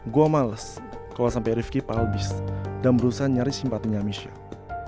gua males kalo sampe rifqi pahal bis dan berusaha nyari simpatinya michelle